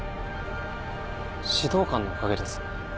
指導官のおかげです。